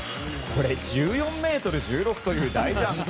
１４ｍ１６という大ジャンプ。